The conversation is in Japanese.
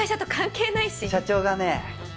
社長がね